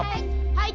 はい。